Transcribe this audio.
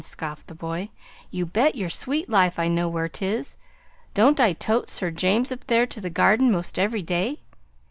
scoffed the boy. "You bet yer sweet life I know where 'tis! Don't I tote Sir James up there to the Garden 'most ev'ry day?